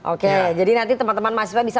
oke jadi nanti teman teman mahasiswa bisa